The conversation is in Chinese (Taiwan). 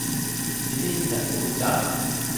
一定程度上